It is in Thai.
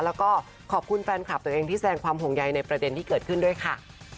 แล้วก็ขอบคุณแฟนคลับตัวเองที่แสดงความห่วงใยในประเด็นที่เกิดขึ้นด้วยค่ะ